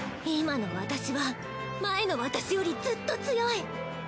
今の私は前の私よりずっと強い。